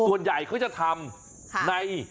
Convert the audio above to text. ส่วนใหญ่เขาจะทำใน